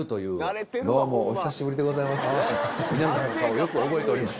よく覚えております。